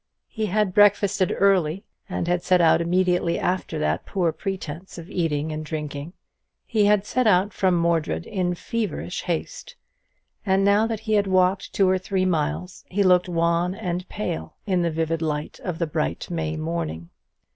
He had breakfasted early, and had set out immediately after that poor pretence of eating and drinking. He had set out from Mordred in feverish haste; and now that he had walked two or three miles, he looked wan and pale in the vivid light of the bright May morning.